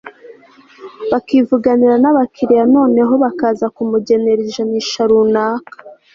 bakivuganira n'abakiliya noneho bakaza kumugenera ijanisha runaka